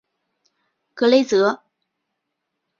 格雷泽。